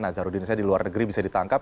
nazaruddinisnya di luar negeri bisa ditangkap